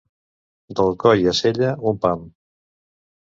D'Alcoi a Sella, un pam.